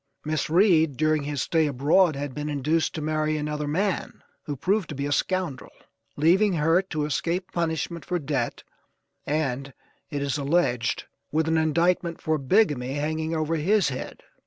Miss Reed, during his stay abroad, had been induced to marry another man who proved to be a scoundrel; leaving her to escape punishment for debt, and, it is alleged, with an indictment for bigamy hanging over his head.